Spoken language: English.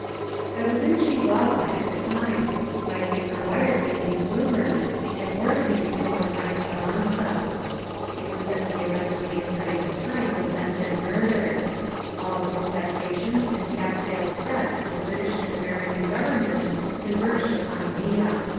I was in Chihuahua at the time. My paper wired me these rumors and ordered me to go and find Car 26T EfSUKGEXT 3IEXICO nmza. It was at the immeiiselT excitiiig time of the Benton murder. All the protestations and half veiled threats of the British and American goTemments con Terged opon Villa.